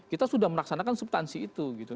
kita sudah melaksanakan subtansi itu gitu